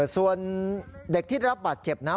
ส่วนเด็กที่รับบาดเจ็บนะ